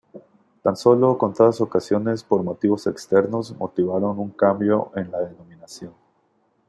Tan solo contadas ocasiones por motivos externos motivaron un cambio en la denominación.